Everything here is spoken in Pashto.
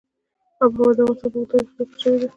آب وهوا د افغانستان په اوږده تاریخ کې ذکر شوی دی.